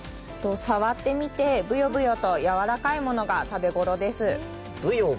触ってみて、ぶよぶよとやわらかいものが食べ頃です。